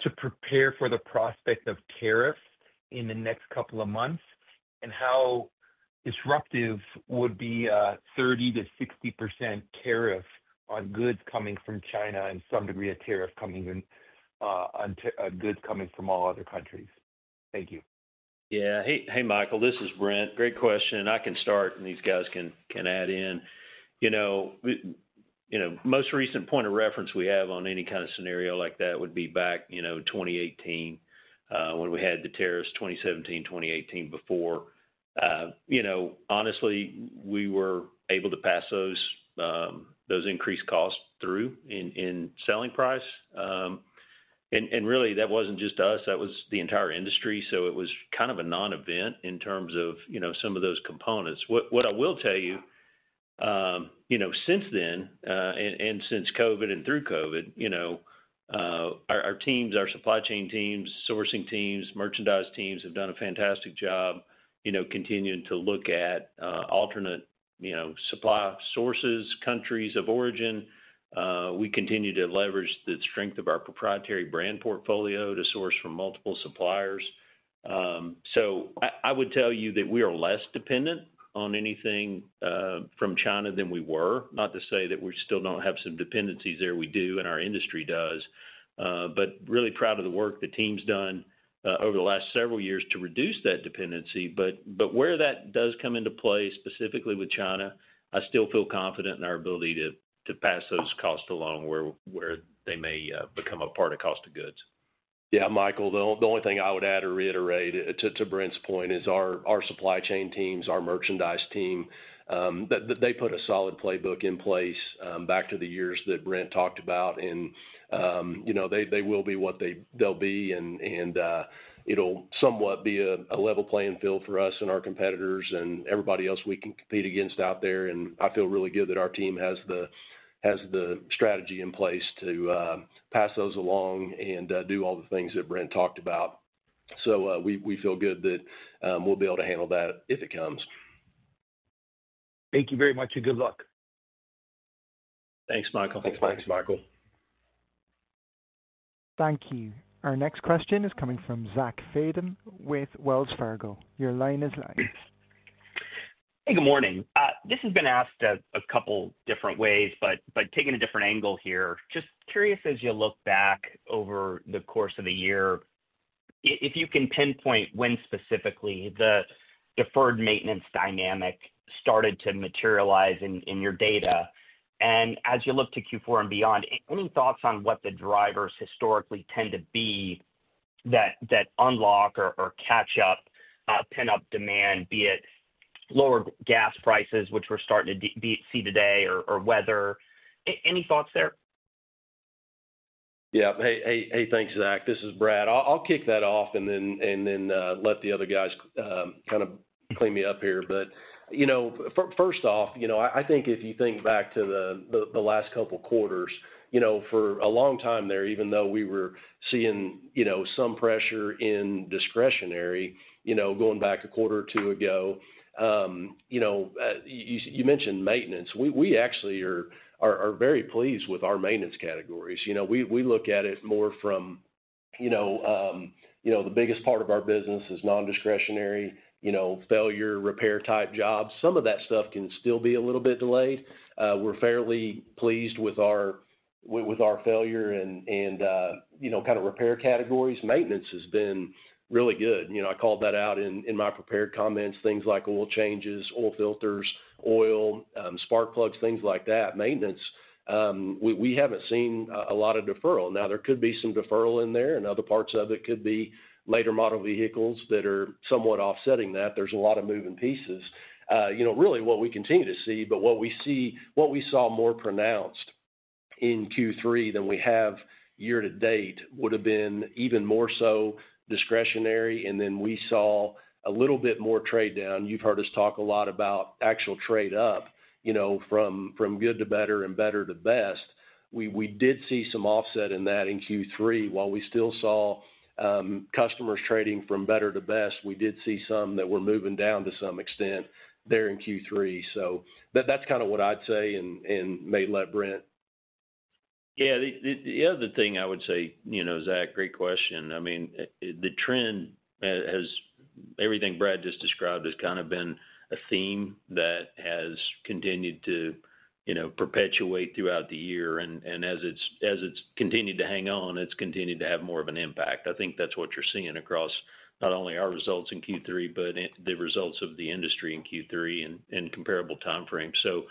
to prepare for the prospect of tariffs in the next couple of months? And how disruptive would be a 30%-60% tariff on goods coming from China, and some degree, a tariff coming in on goods coming from all other countries? Thank you. Yeah. Hey, hey, Michael, this is Brent. Great question, and I can start, and these guys can add in. You know, you know, most recent point of reference we have on any kind of scenario like that would be back, you know, 2018, when we had the tariffs, 2017, 2018 before. You know, honestly, we were able to pass those increased costs through in selling price. And really, that wasn't just us, that was the entire industry. So it was kind of a non-event in terms of, you know, some of those components. What I will tell you, you know, since then, and since COVID and through COVID, you know, our teams, our supply chain teams, sourcing teams, merchandise teams have done a fantastic job, you know, continuing to look at alternate, you know, supply sources, countries of origin. We continue to leverage the strength of our proprietary brand portfolio to source from multiple suppliers, so I would tell you that we are less dependent on anything from China than we were. Not to say that we still don't have some dependencies there. We do, and our industry does, but really proud of the work the team's done over the last several years to reduce that dependency. But where that does come into play, specifically with China, I still feel confident in our ability to pass those costs along where they may become a part of cost of goods. Yeah, Michael, the only thing I would add or reiterate to Brent's point is our supply chain teams, our merchandise team. They put a solid playbook in place back to the years that Brent talked about, and you know, they will be what they'll be, and it'll somewhat be a level playing field for us and our competitors and everybody else we can compete against out there. And I feel really good that our team has the strategy in place to pass those along and do all the things that Brent talked about. So we feel good that we'll be able to handle that if it comes. Thank you very much, and good luck. Thanks, Michael. Thanks, Michael. Thanks, Michael. Thank you. Our next question is coming from Zach Fadem with Wells Fargo. Your line is live. Hey, good morning. This has been asked a couple different ways, but taking a different angle here, just curious, as you look back over the course of the year, if you can pinpoint when specifically the deferred maintenance dynamic started to materialize in your data, and as you look to Q4 and beyond, any thoughts on what the drivers historically tend to be that unlock or catch up, pick up demand, be it lower gas prices, which we're starting to see today or weather? Any thoughts there? Yeah. Hey, hey, hey, thanks, Zach. This is Brad. I'll kick that off and then let the other guys kind of clean me up here. But you know, first off, you know, I think if you think back to the last couple quarters, you know, for a long time there, even though we were seeing you know some pressure in discretionary, you know, going back a quarter or two ago, you know, you mentioned maintenance. We actually are very pleased with our maintenance categories. You know, we look at it more from you know the biggest part of our business is non-discretionary, you know, failure, repair type jobs. Some of that stuff can still be a little bit delayed. We're fairly pleased with our fluid and, you know, kind of repair categories. Maintenance has been really good. You know, I called that out in my prepared comments, things like oil changes, oil filters, oil, spark plugs, things like that. Maintenance, we haven't seen a lot of deferral. Now, there could be some deferral in there, and other parts of it could be later model vehicles that are somewhat offsetting that. There's a lot of moving pieces. You know, really what we continue to see, but what we saw more pronounced in Q3 than we have year to date, would have been even more so discretionary, and then we saw a little bit more trade down. You've heard us talk a lot about actual trade up, you know, from good to better and better to best. We did see some offset in that in Q3. While we still saw customers trading from better to best, we did see some that were moving down to some extent there in Q3. So that's kind of what I'd say and may let Brent- ... Yeah, the other thing I would say, you know, Zach, great question. I mean, the trend has everything Brad just described, has kind of been a theme that has continued to, you know, perpetuate throughout the year, and as it's continued to hang on, it's continued to have more of an impact. I think that's what you're seeing across not only our results in Q3, but in the results of the industry in Q3 and comparable timeframes, so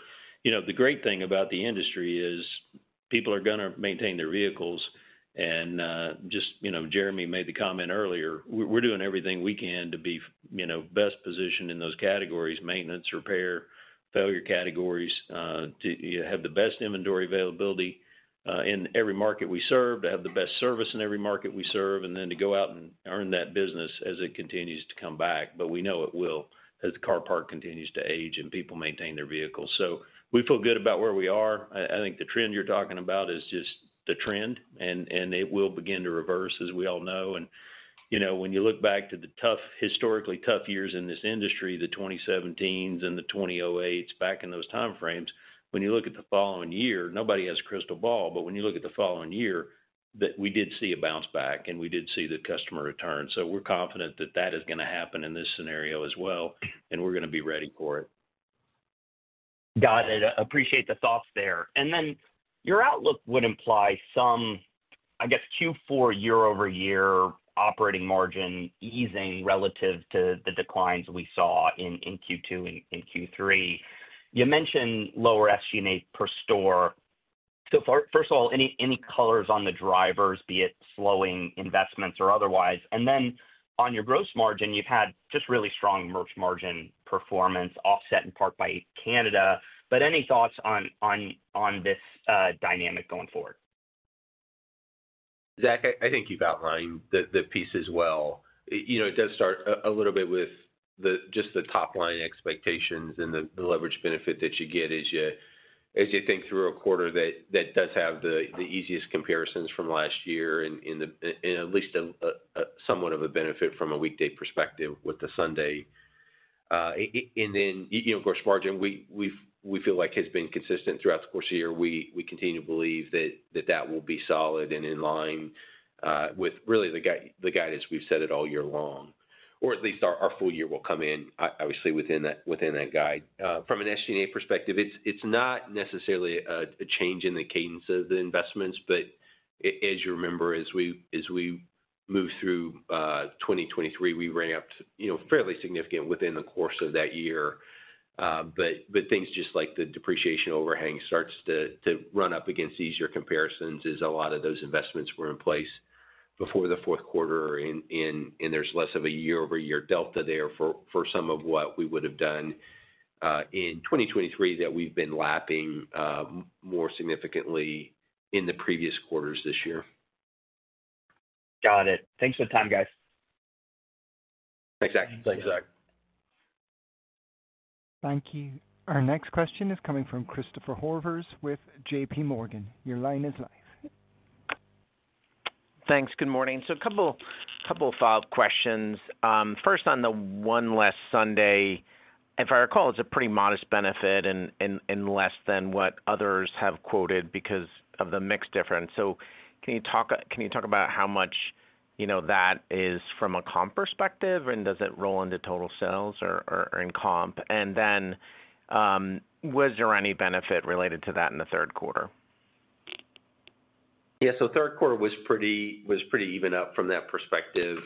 you know, the great thing about the industry is people are gonna maintain their vehicles. Just, you know, Jeremy made the comment earlier. We're doing everything we can to be, you know, best positioned in those categories, maintenance, repair, failure categories, to, you know, have the best inventory availability in every market we serve, to have the best service in every market we serve, and then to go out and earn that business as it continues to come back. But we know it will, as the car park continues to age and people maintain their vehicles. So we feel good about where we are. I think the trend you're talking about is just the trend, and it will begin to reverse, as we all know. You know, when you look back to the historically tough years in this industry, the 2017s and the 2008s, back in those timeframes, when you look at the following year, nobody has a crystal ball, but when you look at the following year, that we did see a bounce back, and we did see the customer return. So we're confident that that is gonna happen in this scenario as well, and we're gonna be ready for it. Got it. Appreciate the thoughts there. And then your outlook would imply some, I guess, Q4 year-over-year operating margin easing relative to the declines we saw in Q2 and in Q3. You mentioned lower SG&A per store. So first of all, any colors on the drivers, be it slowing investments or otherwise? And then on your gross margin, you've had just really strong merch margin performance offset in part by Canada, but any thoughts on this dynamic going forward? Zach, I think you've outlined the pieces well. You know, it does start a little bit with just the top-line expectations and the leverage benefit that you get as you think through a quarter that does have the easiest comparisons from last year in at least somewhat of a benefit from a weekday perspective with the Sunday. And then, you know, gross margin, we feel like has been consistent throughout the course of the year. We continue to believe that that will be solid and in line with the guidance we've set all year long, or at least our full year will come in, obviously, within that guide. From an SG&A perspective, it's not necessarily a change in the cadence of the investments, but as you remember, as we moved through 2023, we ran up, you know, fairly significant within the course of that year. But things just like the depreciation overhang starts to run up against easier comparisons, as a lot of those investments were in place before the fourth quarter and there's less of a year-over-year delta there for some of what we would've done in 2023, that we've been lapping more significantly in the previous quarters this year. Got it. Thanks for the time, guys. Thanks, Zach. Thanks, Zach. Thank you. Our next question is coming from Christopher Horvers with J.P. Morgan. Your line is live. Thanks. Good morning. So a couple of follow-up questions. First, on the one less Sunday, if I recall, it's a pretty modest benefit and less than what others have quoted because of the mix difference. So can you talk about how much, you know, that is from a comp perspective, and does it roll into total sales or in comp? And then, was there any benefit related to that in the third quarter? Yeah. So third quarter was pretty even up from that perspective.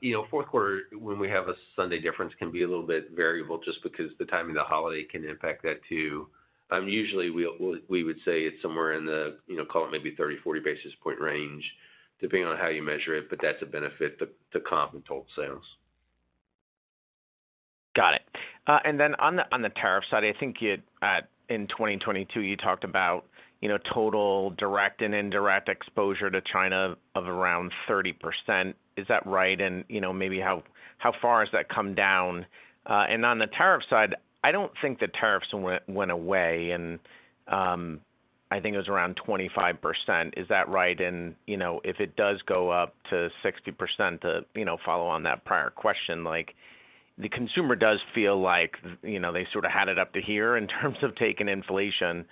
You know, fourth quarter, when we have a Sunday difference, can be a little bit variable just because the timing of the holiday can impact that, too. Usually, we would say it's somewhere in the, you know, call it maybe 30-40 basis point range, depending on how you measure it, but that's a benefit to comp and total sales. Got it. And then on the tariff side, I think you in 2022, you talked about, you know, total direct and indirect exposure to China of around 30%. Is that right? And, you know, maybe how far has that come down? And on the tariff side, I don't think the tariffs went away, and I think it was around 25%. Is that right? And, you know, if it does go up to 60%, to, you know, follow on that prior question, like, the consumer does feel like, you know, they sort of had it up to here in terms of taking inflation.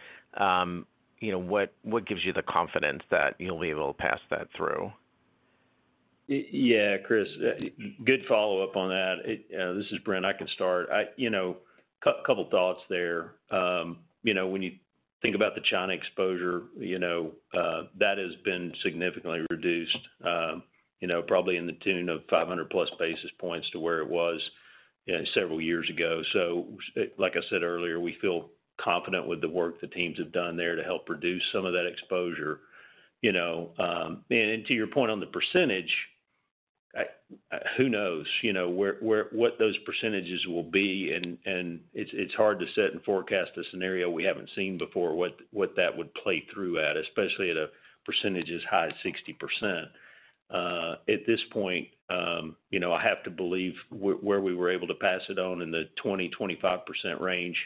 You know, what gives you the confidence that you'll be able to pass that through? Yeah, Chris, good follow-up on that. This is Brent. I can start. You know, couple thoughts there. You know, when you think about the China exposure, you know, that has been significantly reduced, you know, probably in the tune of five hundred-plus basis points to where it was, you know, several years ago. So like I said earlier, we feel confident with the work the teams have done there to help reduce some of that exposure, you know. And to your point on the percentage, who knows, you know, where what those percentages will be, and it's hard to set and forecast a scenario we haven't seen before, what that would play through at, especially at a percentage as high as 60%. At this point, you know, I have to believe where we were able to pass it on in the 20%-25% range,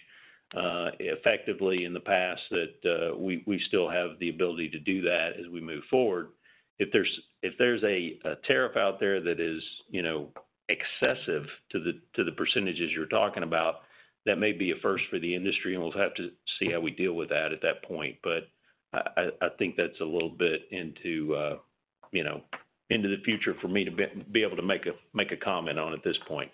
effectively in the past, that we still have the ability to do that as we move forward. If there's a tariff out there that is, you know, excessive to the percentages you're talking about, that may be a first for the industry, and we'll have to see how we deal with that at that point. But I think that's a little bit into... you know, into the future for me to be able to make a comment on at this point.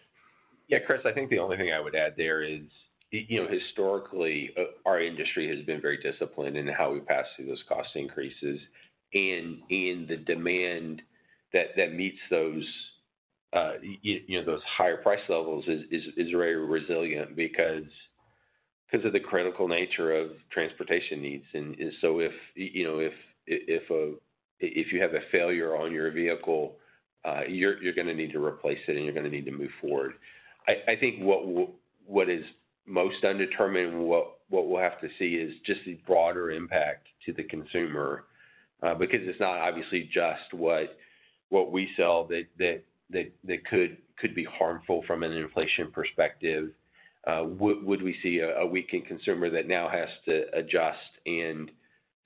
Yeah, Chris, I think the only thing I would add there is, you know, historically, our industry has been very disciplined in how we pass through those cost increases. And the demand that meets those, you know, those higher price levels is very resilient because of the critical nature of transportation needs. And so if, you know, if you have a failure on your vehicle, you're gonna need to replace it, and you're gonna need to move forward. I think what is most undetermined and what we'll have to see is just the broader impact to the consumer, because it's not obviously just what we sell that could be harmful from an inflation perspective. Would we see a weakened consumer that now has to adjust and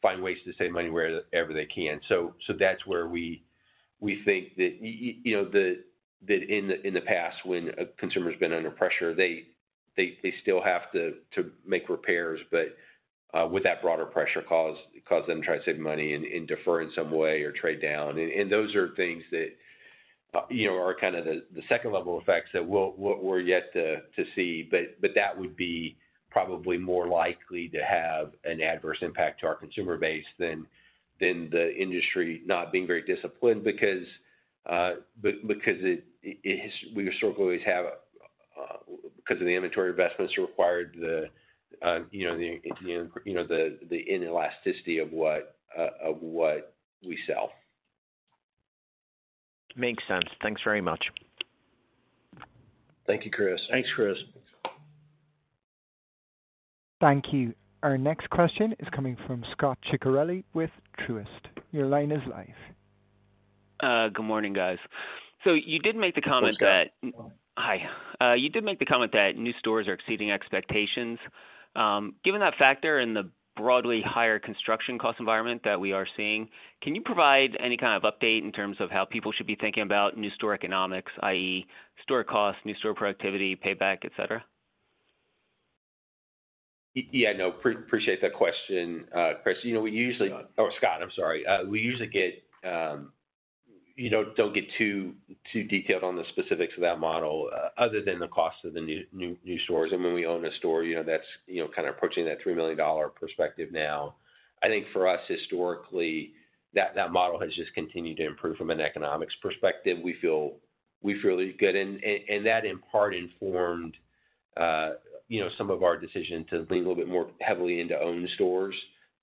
find ways to save money wherever they can? So that's where we think that you know that in the past, when a consumer's been under pressure, they still have to make repairs. But would that broader pressure cause them to try to save money and defer in some way or trade down? And those are things that you know are kind of the second-level effects that we're yet to see. But that would be probably more likely to have an adverse impact to our consumer base than the industry not being very disciplined. Because it has, we historically always have, because of the inventory investments required, the you know, the inelasticity of what we sell. Makes sense. Thanks very much. Thank you, Chris. Thanks, Chris. Thank you. Our next question is coming from Scot Ciccarelli with Truist. Your line is live. Good morning, guys, so you did make the comment that- Hey, Scott. Hi. You did make the comment that new stores are exceeding expectations. Given that factor and the broadly higher construction cost environment that we are seeing, can you provide any kind of update in terms of how people should be thinking about new store economics, i.e., store costs, new store productivity, payback, et cetera? Yeah, no, appreciate that question, Chris. You know, we usually... Oh, Scot, I'm sorry. We usually get, you know, don't get too detailed on the specifics of that model, other than the cost of the new stores. And when we own a store, you know, that's, you know, kind of approaching that $3 million perspective now. I think for us, historically, that model has just continued to improve from an economics perspective. We feel good. And that, in part, informed, you know, some of our decision to lean a little bit more heavily into owned stores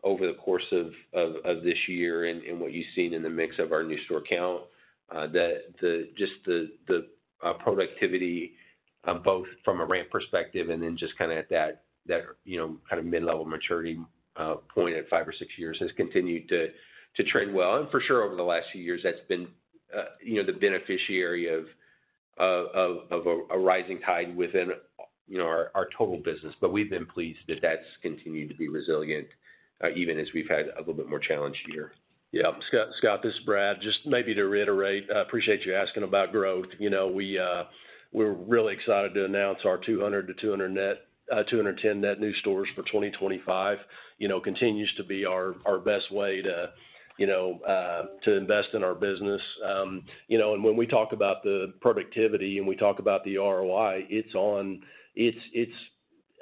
over the course of this year and what you've seen in the mix of our new store count. Just the productivity both from a ramp perspective and then just kind of at that you know kind of mid-level maturity point at five or six years has continued to trend well. And for sure, over the last few years, that's been you know the beneficiary of a rising tide within you know our total business. But we've been pleased that that's continued to be resilient even as we've had a little bit more challenging year. Yeah. Scot, Scot, this is Brad. Just maybe to reiterate, I appreciate you asking about growth. You know, we're really excited to announce our 200-210 net new stores for 2025. You know, continues to be our best way to, you know, to invest in our business. You know, and when we talk about the productivity, and we talk about the ROI, it's on, it's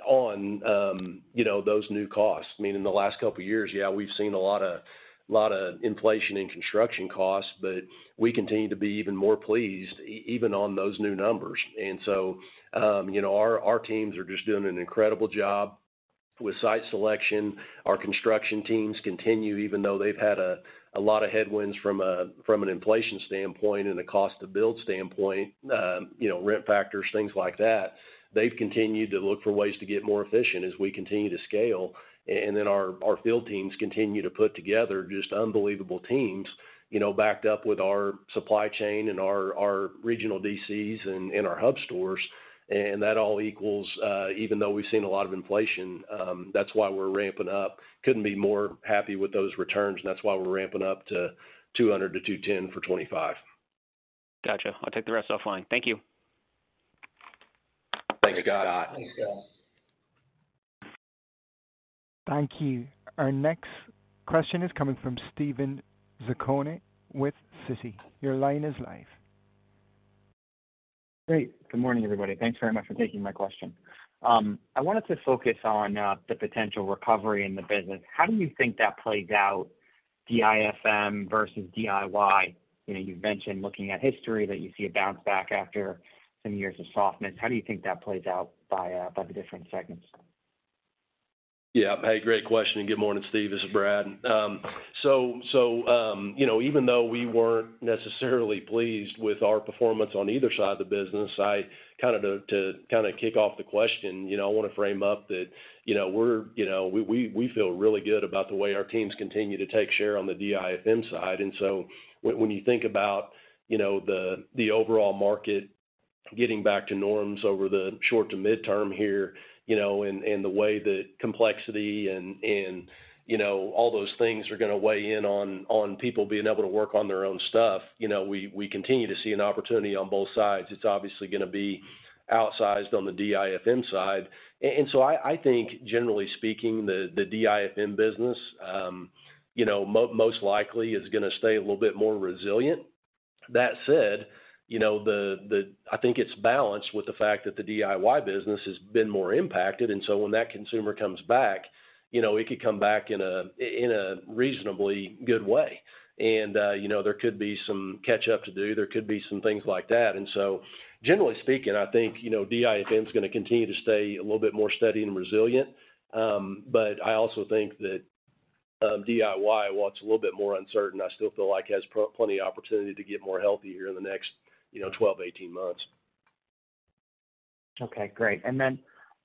on those new costs. I mean, in the last couple of years, yeah, we've seen a lot of inflation in construction costs, but we continue to be even more pleased even on those new numbers. And so, you know, our teams are just doing an incredible job with site selection. Our construction teams continue, even though they've had a lot of headwinds from an inflation standpoint and a cost to build standpoint, you know, rent factors, things like that. They've continued to look for ways to get more efficient as we continue to scale. And then our field teams continue to put together just unbelievable teams, you know, backed up with our supply chain and our regional DCs and our hub stores. And that all equals, even though we've seen a lot of inflation, that's why we're ramping up. Couldn't be more happy with those returns, and that's why we're ramping up to 200 to 210 for 2025. Gotcha. I'll take the rest offline. Thank you. Thanks, Scott. Thanks, Scott. Thank you. Our next question is coming from Steven Zaccone with Citi. Your line is live. Great. Good morning, everybody. Thanks very much for taking my question. I wanted to focus on the potential recovery in the business. How do you think that plays out, DIFM versus DIY? You know, you've mentioned looking at history, that you see a bounce back after some years of softness. How do you think that plays out by the different segments? Yeah. Hey, great question, and good morning, Steve. This is Brad. You know, even though we weren't necessarily pleased with our performance on either side of the business, you know, I want to frame up that, you know, we feel really good about the way our teams continue to take share on the DIFM side. And so when you think about, you know, the overall market getting back to norms over the short to midterm here, you know, and the way that complexity and, you know, all those things are gonna weigh in on people being able to work on their own stuff, you know, we continue to see an opportunity on both sides. It's obviously gonna be outsized on the DIFM side. And so I think, generally speaking, the DIFM business, you know, most likely is gonna stay a little bit more resilient. That said, you know, I think it's balanced with the fact that the DIY business has been more impacted, and so when that consumer comes back, you know, it could come back in a reasonably good way. And, you know, there could be some catch up to do, there could be some things like that. And so, generally speaking, I think, you know, DIFM is gonna continue to stay a little bit more steady and resilient. But I also think that, DIY, while it's a little bit more uncertain, I still feel like has plenty of opportunity to get more healthy here in the next, you know, 12 to 18 months. Okay, great. And then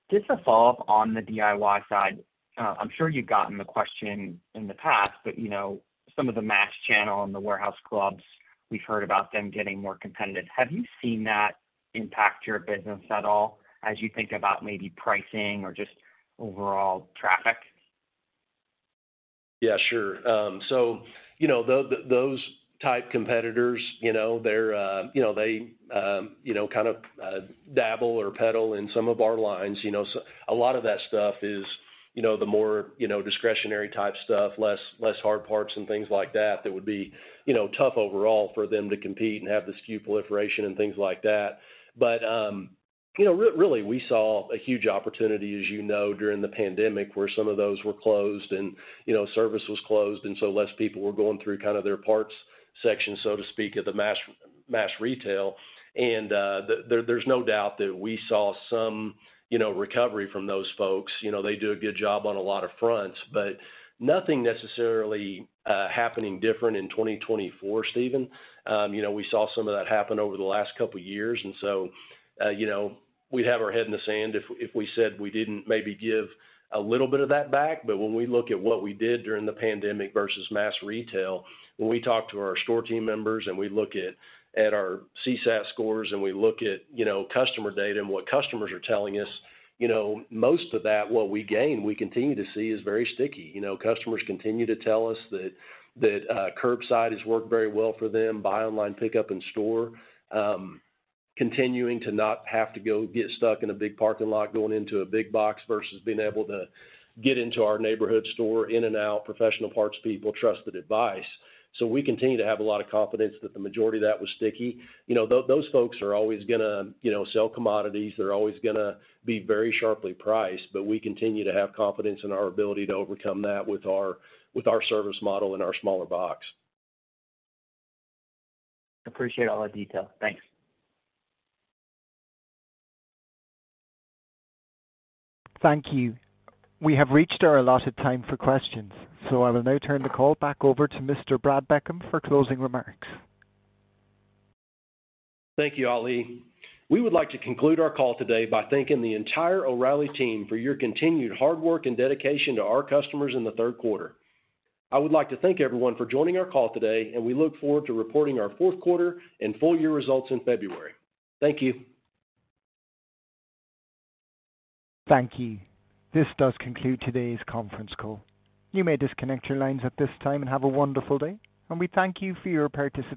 just a follow-up on the DIY side. I'm sure you've gotten the question in the past, but, you know, some of the mass channel and the warehouse clubs, we've heard about them getting more competitive. Have you seen that impact your business at all as you think about maybe pricing or just overall traffic? Yeah, sure. So, you know, those type competitors, you know, they're, you know, they, you know, kind of, dabble or peddle in some of our lines. You know, so a lot of that stuff is, you know, the more, you know, discretionary type stuff, less hard parts and things like that, that would be, you know, tough overall for them to compete and have the SKU proliferation and things like that. But, you know, really, we saw a huge opportunity, as you know, during the pandemic, where some of those were closed and, you know, service was closed, and so less people were going through kind of their parts section, so to speak, at the mass retail. And, there's no doubt that we saw some, you know, recovery from those folks. You know, they do a good job on a lot of fronts, but nothing necessarily happening different in twenty twenty-four, Steven. You know, we saw some of that happen over the last couple of years, and so, you know, we'd have our head in the sand if we said we didn't maybe give a little bit of that back. But when we look at what we did during the pandemic versus mass retail, when we talk to our store team members and we look at our CSAT scores, and we look at, you know, customer data and what customers are telling us, you know, most of that, what we gain, we continue to see is very sticky. You know, customers continue to tell us that curbside has worked very well for them, buy online, pickup in store, continuing to not have to go get stuck in a big parking lot, going into a big box versus being able to get into our neighborhood store, in and out, professional parts people, trusted advice. So we continue to have a lot of confidence that the majority of that was sticky. You know, those folks are always gonna, you know, sell commodities. They're always gonna be very sharply priced, but we continue to have confidence in our ability to overcome that with our service model and our smaller box. Appreciate all the detail. Thanks. Thank you. We have reached our allotted time for questions, so I will now turn the call back over to Mr. Brad Beckham for closing remarks. Thank you, Ali. We would like to conclude our call today by thanking the entire O'Reilly team for your continued hard work and dedication to our customers in the third quarter. I would like to thank everyone for joining our call today, and we look forward to reporting our fourth quarter and full year results in February. Thank you. Thank you. This does conclude today's conference call. You may disconnect your lines at this time and have a wonderful day, and we thank you for your participation.